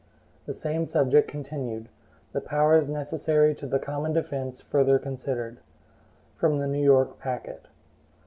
25 The Same Subject Continued (The Powers Necessary to the Common Defense Further Considered) From the New York Packet.